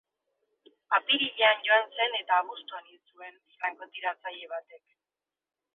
Apirilean joan zen eta abuztuan hil zuen frankotiratzaile batek.